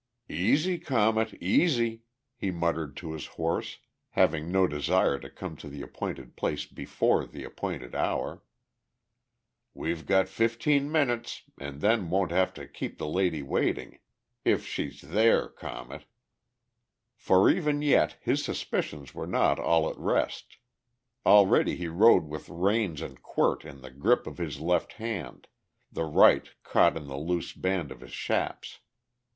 "Easy, Comet, easy," he muttered to his horse, having no desire to come to the appointed place before the appointed hour. "We've got fifteen minutes and then won't have to keep the lady waiting. If she's there, Comet!" For even yet his suspicions were not all at rest, already he rode with reins and quirt in the grip of his left hand, the right caught in the loose band of his chaps.